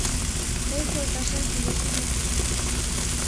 Эх, йолташем, кузе шонет -